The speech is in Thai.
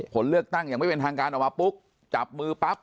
ผลเลือกตั้งอย่างไม่เป็นทางการออกมาปุ๊บจับมือปั๊บ